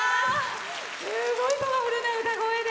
すごいパワフルな歌声で。